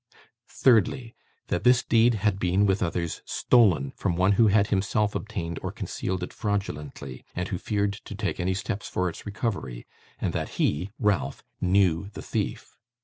Thirdly, that this deed had been, with others, stolen from one who had himself obtained or concealed it fraudulently, and who feared to take any steps for its recovery; and that he (Ralph) knew the thief.